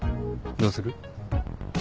どうする？